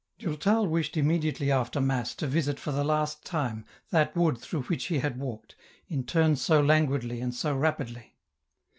DuRTAL wished immediately after Mass to visit for the last time that wood through which he had walked, in turn so languidly and so rapidly.